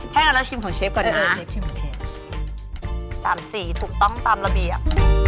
แล้วก็เราชิมของเชฟก่อนนะถามสีถูกต้องตามระเบียบ